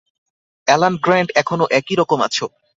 Alan Grant, এখনো একইরকম আছো।